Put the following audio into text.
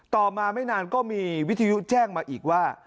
ต่อมาไม่นานก็มีวิทยุแจ้งมาอีกว่า